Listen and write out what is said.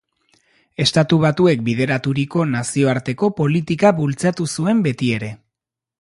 Estatu Batuek bideraturiko nazioarteko politika bultzatu zuen betiere.